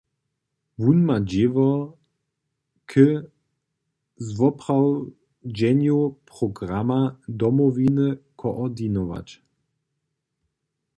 Wón ma dźěło k zwoprawdźenju programa Domowiny koordinować.